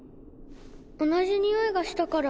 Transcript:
同じにおいがしたから。